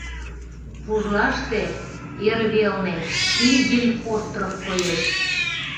Пурлаште, эрвелне, Кильдин остров коеш.